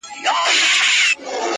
اچيل یې ژاړي. مړ یې پېزوان دی.